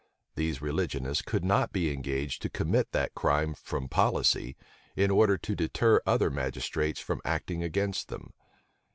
These religionists could not be engaged to commit that crime from policy, in order to deter other magistrates from acting against them.